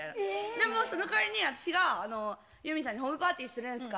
でもその代わりに私がユーミンさんに、ホームパーティーするんですか？